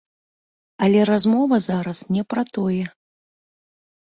Але размова зараз не пра тое.